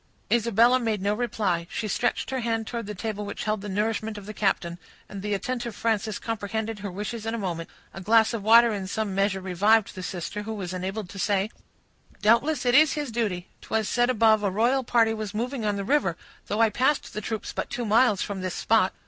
Isabella made no reply; she stretched her hand towards the table which held the nourishment of the captain, and the attentive Frances comprehended her wishes in a moment. A glass of water in some measure revived the sister, who was enabled to say,— "Doubtless it is his duty. 'Twas said above, a royal party was moving on the river; though I passed the troops but two miles from this spot."